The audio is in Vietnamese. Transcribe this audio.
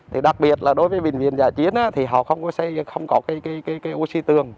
thì đặc biệt là đối với bệnh viện giải chiến thì họ không có xây không có cái oxy tường